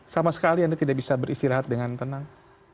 sama sekali anda tidak bisa beristirahat dengan tenang